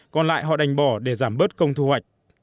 còn lại họ đành bỏ để giảm bớt công thu hoạch